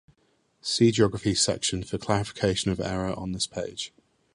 See Geography section for clarification of error on this page.